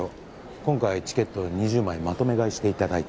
今回チケットを２０枚まとめ買いしていただいた。